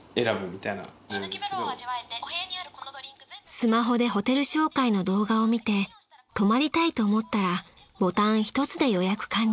［スマホでホテル紹介の動画を見て泊まりたいと思ったらボタン一つで予約完了］